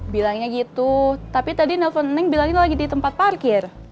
bilangnya gitu tapi tadi nelpon neng bilangnya lagi di tempat parkir